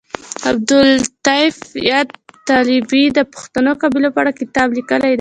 عبداللطیف یاد طالبي د پښتني قبیلو په اړه کتاب لیکلی دی